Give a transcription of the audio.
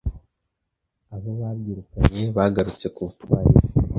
abo babyirukanye bagarutse ku butwari bwe